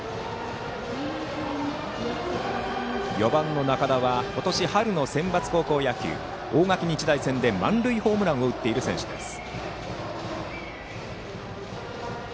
４番の仲田は今年、春のセンバツ高校野球大垣日大戦で満塁ホームランを打った選手です。